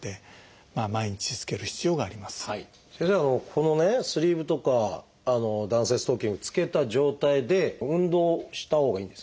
このスリーブとか弾性ストッキングを着けた状態で運動したほうがいいんですか？